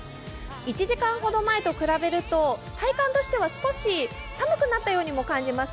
１時間ほど前と比べると体感としては少し寒くなったようにも感じます。